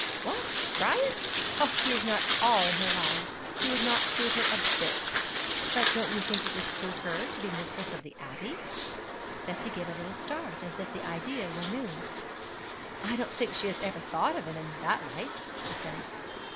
'What Brian? Oh, he is not at all in her line. He would not suit her a bit.' 'But don't you think it would suit her to be mistress of the Abbey?' Bessie gave a little start, as if the idea were new. 'I don't think she has ever thought of him in that light,' she said.